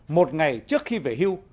một ngày trước khi về hưu